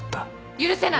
許せない！